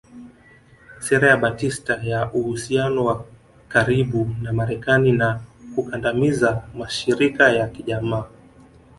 Sera ya Batista ya uhusiano wa karibu na Marekani na kukandamiza mashirika ya kijamaa